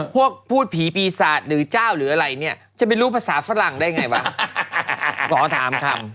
พูดผีปีศาจหรือเจ้าหรืออะไรเนี่ยจะไปรู้ภาษาฝรั่งได้ไงวะขอถามคำ